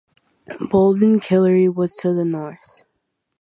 Boldon Colliery was to the north.